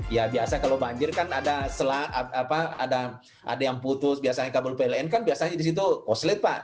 ya biasa kalau banjir kan ada yang putus biasanya kabel pln kan biasanya di situ koslet pak